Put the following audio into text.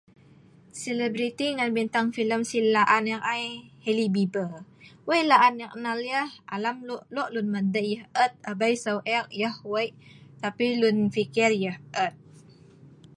Selibriti ngan bintang filem si la'an ek ai, Halibibe. Wei' la'an ek nal yah. Alam lo' lun madei yah et. Abei seu' ek yah wei'. Tapi lun pikir yah et.